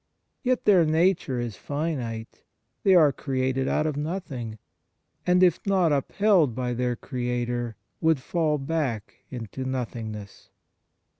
Yet their nature is finite, they are created out of nothing, and if not upheld by their Creator would fall back into nothingness.